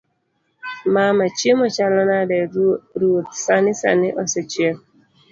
mama; chiemo chalo nade? ruoth; sani sani osechiek